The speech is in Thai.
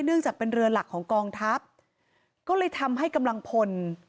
เนื่องจากเป็นเรือหลักของกองทัพก็เลยทำให้กำลังพล